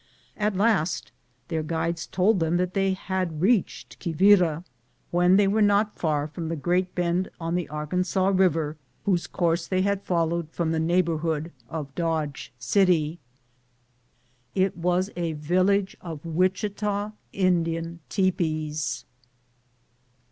At last their guides told them that they had reached Quivira, when they were not far from Great Bend on the Arkansas Eiver, whose course they had followed from the neighborhood of Dodge City. It was a village of Wichita Indian tepees.